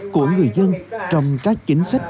của người dân trong các chính sách